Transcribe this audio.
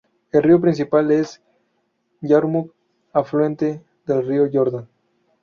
El río principal es el Yarmuk, afluente del río Jordán.